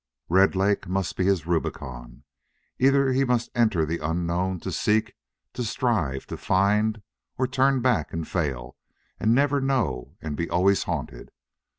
Red Lake must be his Rubicon. Either he must enter the unknown to seek, to strive, to find, or turn back and fail and never know and be always haunted.